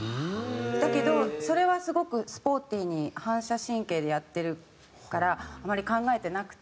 だけどそれはすごくスポーティーに反射神経でやってるからあまり考えてなくて。